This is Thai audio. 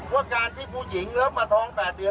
ว่าการที่ผู้หญิงแล้วมาท้อง๘เดือน